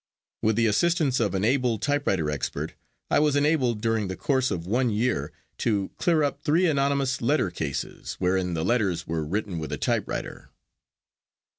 With the assistance of an able typewriter expert, I was enabled during the course of one year to clear up three anonymous letter cases wherein the letters were written with a typewriter.